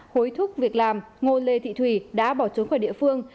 hối thúc việc làm ngô lê thị thủy đã bỏ trốn khỏi địa phương